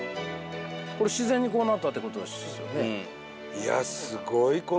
これ自然にこうなったって事ですよね。